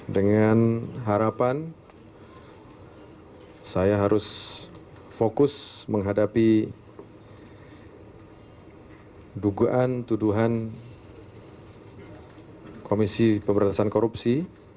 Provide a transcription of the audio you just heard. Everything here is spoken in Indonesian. dengan harapan saya harus fokus menghadapi dugaan tuduhan komisi pemberantasan korupsi